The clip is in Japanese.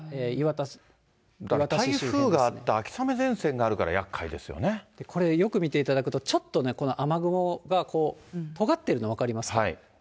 台風があって、秋雨前線があこれ、よく見ていただくと、ちょっとこの雨雲がとがってるの分かりますか？